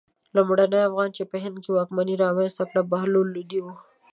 لومړني افغان چې په هند کې واکمني رامنځته کړه بهلول لودی و.